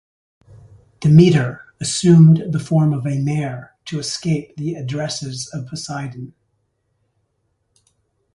Demeter assumed the form of a mare to escape the addresses of Poseidon.